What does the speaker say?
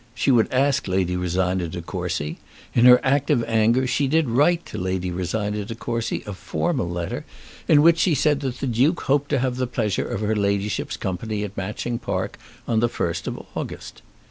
She would ask Lady Rosina De Courcy. In her active anger she did write to Lady Rosina De Courcy a formal letter, in which she said that the Duke hoped to have the pleasure of her ladyship's company at Matching Park on the 1st of August.